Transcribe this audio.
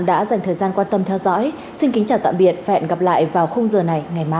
đã dành thời gian quan tâm theo dõi xin kính chào tạm biệt và hẹn gặp lại vào khung giờ này ngày mai